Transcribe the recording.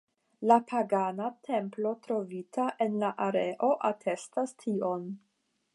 La pagana templo trovita en la areo atestas tion.